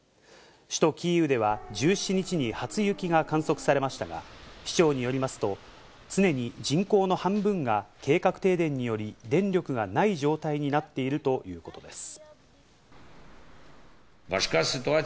首都キーウでは、１７日に初雪が観測されましたが、市長によりますと、常に人口の半分が計画停電により、電力がない状態になっているということです。